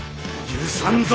許さぬぞ！